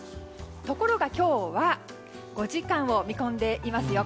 ところが今日は５時間を見込んでいますよ。